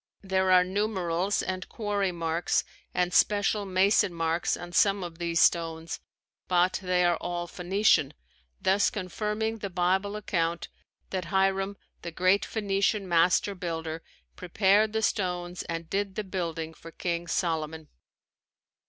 There are numerals and quarry marks and special mason marks on some of these stones but they are all Phoenician, thus confirming the Bible account that Hiram, the great Phoenician master builder prepared the stones and did the building for King Solomon.